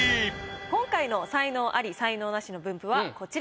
今回の才能アリ・才能ナシの分布はこちらです。